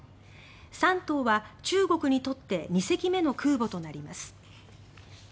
「山東」は中国にとって２隻目の空母となります。